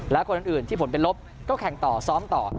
และคนอื่นที่ผลเป็นลบก็แข่งต่อซ้อมต่อ